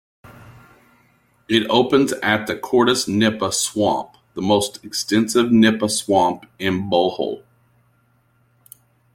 It opens at the Cortes nipa swamp, the most extensive nipa swamp in Bohol.